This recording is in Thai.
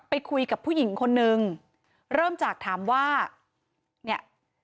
ไปคุยกับผู้หญิงคนนึงเริ่มจากถามว่าเนี่ย